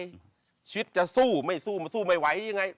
ชีวิตจะสู้ไม่สู้มันสู้ไม่ไหวยังไง